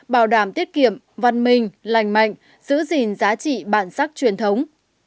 bảo đảm tiết kiệm văn minh lành mạnh giữ gìn giá trị bản sắc truyền thống